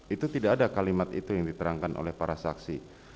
itu tidak ada kalimat itu yang diterangkan oleh para saksi